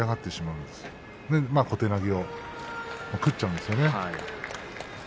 それで小手投げを食っちゃうんですね。